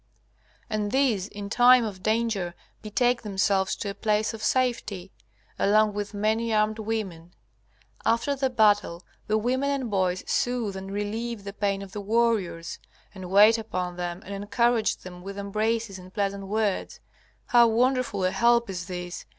And these in time of danger betake themselves to a place of safety, along with many armed women. After the battle the women and boys soothe and relieve the pain of the warriors, and wait upon them and encourage them with embraces and pleasant words. How wonderful a help is this!